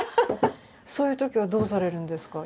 そういう時はどうされるんですか？